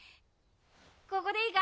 ここでいいか？